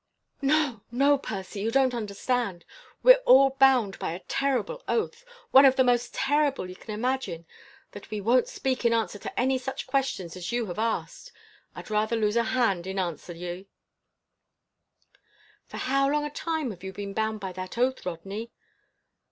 "No! no! Percy, you don't understand. We're all bound by a terrible oath one of the most terrible ye can imagine that we won't speak in answer to any such question as you have asked. I'd rather lose a hand than answer ye!" "For how long a time have you been bound by that oath, Rodney?"